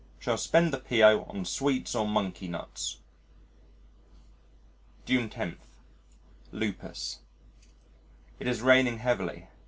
Shall spend the P.O. on sweets or monkey nuts. June 10 Lupus It is raining heavily.